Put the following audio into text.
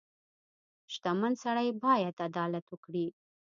• شتمن سړی باید عدالت وکړي.